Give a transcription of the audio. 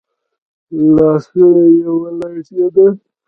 لاسونه يې ولړزېدل.